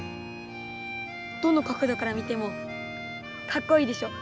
どの角どから見てもカッコいいでしょ。